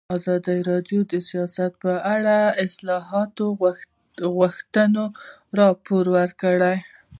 ازادي راډیو د سیاست په اړه د اصلاحاتو غوښتنې راپور کړې.